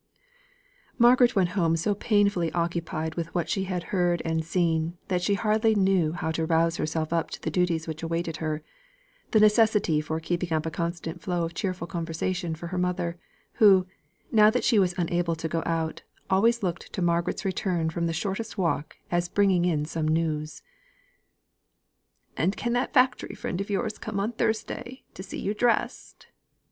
Margaret went home so painfully occupied with what she had heard and seen that she hardly knew how to rouse herself up to the duties which awaited her; the necessity for keeping up a constant flow of cheerful conversation for her mother, who, now that she was unable to go out, always looked to Margaret's return from the shortest walk as bringing in some news. "And can your factory friend come on Thursday to see you dressed?"